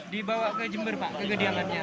dibawa ke jember pak kegediangannya